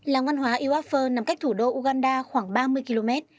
làng văn hóa iwafi nằm cách thủ đô uganda khoảng ba mươi km